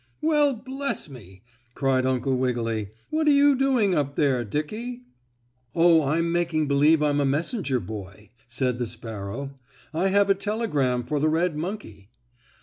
"Well, bless me!" cried Uncle Wiggily. "What are you doing up there, Dickie?" "Oh, I'm making believe I'm a messenger boy," said the sparrow. "I have a telegram for the red monkey."